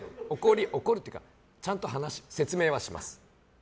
怒るというかちゃんと話して説明はします。